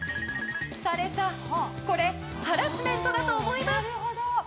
されたこれ、ハラスメントだと思います。